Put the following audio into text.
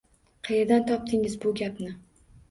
— Qayerdan topdingiz bu gapni?